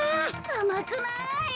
あまくない。